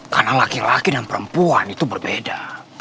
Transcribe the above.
karena laki laki dan perempuan itu berbeda